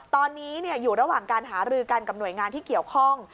ตอนนี้อยู่ระหว่างการหารือกันกับหน่วยงานที่เกี่ยวข้อง